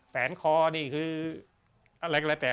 แฟนคอนี่คืออะไรก็ไรแต่